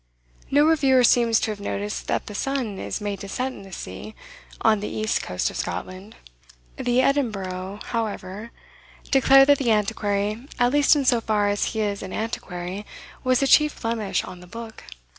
No reviewer seems to have noticed that the sun is made to set in the sea, on the east coast of Scotland. The "Edinburgh," however, declared that the Antiquary, "at least in so far as he is an Antiquary," was the chief blemish on the book.